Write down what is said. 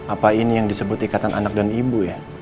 apa ini yang disebut ikatan anak dan ibu ya